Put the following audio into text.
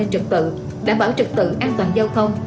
đảm bảo trực tự đảm bảo trực tự an toàn giao thông